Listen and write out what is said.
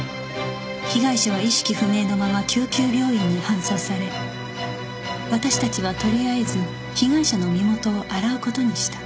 被害者は意識不明のまま救急病院に搬送され私たちはとりあえず被害者の身元を洗う事にした